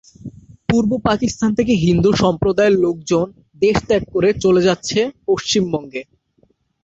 পূর্ব পাকিস্তান থেকে হিন্দু সম্প্রদায়ের লোকজন দেশ ত্যাগ করে চলে যাচ্ছে পশ্চিমবঙ্গে।